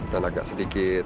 dan agak sedikit